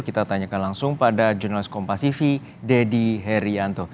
kita tanyakan langsung pada jurnalis kompasifi deddy herianto